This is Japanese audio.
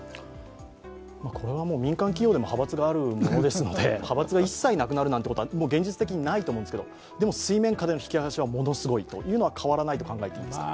これは民間企業でも派閥があるものですので派閥が一切なくなるなんてことは現実的にないと思うんですが、でも、水面下での引き剥がしはすさまじいと考えていいですか？